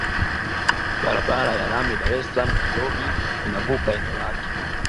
Barabara ya lami Dar es Salaam Nairobi inavuka eneo lake